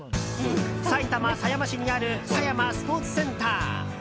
埼玉・狭山市にある狭山スポーツセンター。